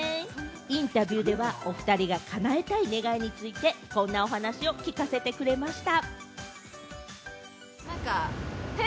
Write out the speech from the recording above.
インタビューではおふたりが叶えたい願いについてこんなお話を聞かせてくれました。